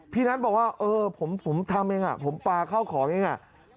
พี่นัทบอกว่าผมทำอย่างไรผมปลาเข้าของอย่างไร